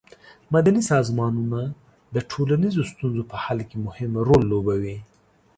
مدني سازمانونه د ټولنیزو ستونزو په حل کې مهم رول لوبوي.